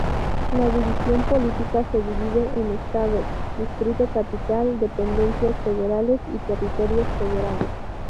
La división política se divide en Estados, Distrito Capital, Dependencias Federales y Territorios Federales.